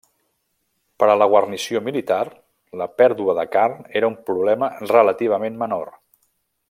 Per a la guarnició militar, la pèrdua de carn era un problema relativament menor.